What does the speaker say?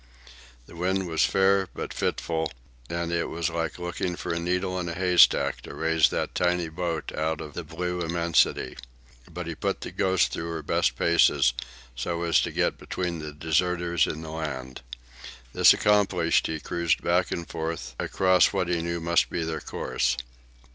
The wind was fair but fitful, and it was like looking for a needle in a haystack to raise that tiny boat out of the blue immensity. But he put the Ghost through her best paces so as to get between the deserters and the land. This accomplished, he cruised back and forth across what he knew must be their course.